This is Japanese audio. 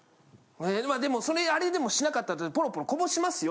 えでもそれあれでもしなかったらポロポロこぼしますよ？